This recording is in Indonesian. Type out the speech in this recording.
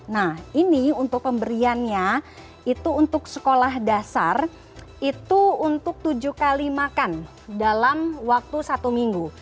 nah ini untuk pemberiannya itu untuk sekolah dasar itu untuk tujuh kali makan dalam waktu satu minggu